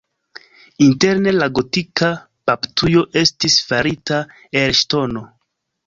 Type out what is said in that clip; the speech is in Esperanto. Interne la gotika baptujo estis farita el ŝtono.